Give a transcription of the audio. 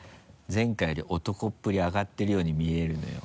前回より男っぷり上がってるように見えるのよ。